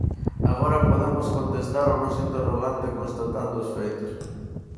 Agora podemos contestar o noso interrogante constatando os feitos.